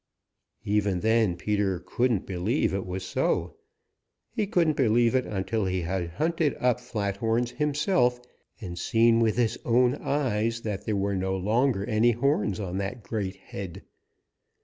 Even then Peter couldn't believe it was so. He couldn't believe it until he had hunted up Flathorns himself and seen with his own eyes that there were no longer any horns on that great head.